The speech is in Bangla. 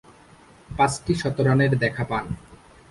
পাঁচটি শতরানের দেখা পান।